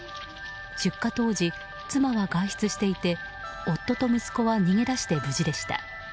出火当時、妻は外出していて夫と息子は逃げ出して無事でした。